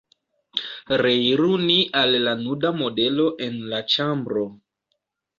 Reiru ni al la nuda modelo en la ĉambro.